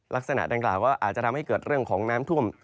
ลักษณะดังกล่าวก็อาจจะทำให้เกิดเรื่องของน้ำท่วม